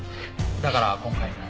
だから今回も。